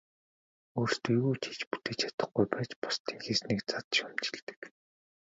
Өөрсдөө юу ч хийж бүтээж чадахгүй байж бусдын хийснийг зад шүүмжилдэг.